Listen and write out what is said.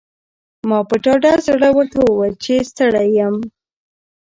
ما په ډاډه زړه ورته وویل چې ستړی یم.